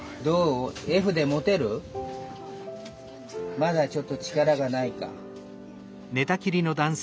まだちょっと力がないか。